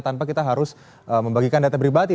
tanpa kita harus membagikan data pribadi